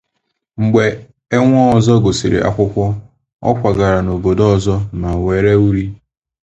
Mgbe Enwezor gụsịrị akwụkwọ, ọ kwagara n’obodo ọzọ ma were uri.